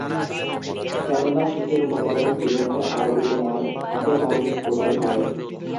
কেননা সুখের উপকরণ জীবনে আরোপিত নয়, তাকে অর্জন করতে হয়।